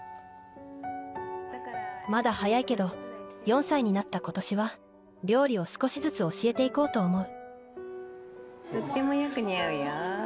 まだ早いけれども、４歳になったことしは料理を少しずつ教えていこうと思う。